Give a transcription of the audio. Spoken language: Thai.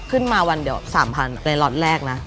ขึ้นมาวันเดี๋ยว๓๐๐๐ในล็อตแรกนะ